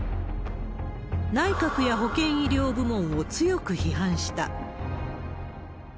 内閣や保健医療部門を強く批判した。